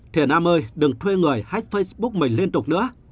thiền a ơi đừng thuê người hách facebook mình liên tục nữa